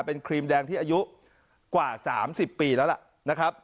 เป็นครีมแดงที่อายุกว่า๓๐ปีแล้วล่ะนะครับ